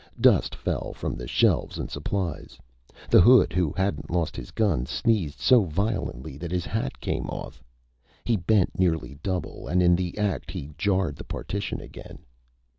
Dust fell from the shelves and supplies. The hood who hadn't lost his gun sneezed so violently that his hat came off. He bent nearly double, and in the act he jarred the partition again.